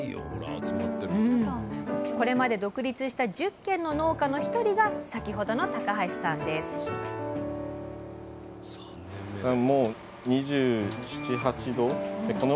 これまで独立した１０軒の農家の一人が先ほどの高橋さんですすると高橋さん